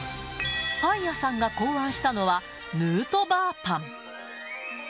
パン屋さんが考案したのは、ヌートバーパン。